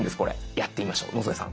やってみましょう野添さん。